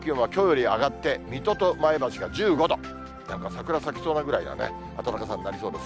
やっぱ、桜咲きそうなぐらいの暖かさになりそうですね。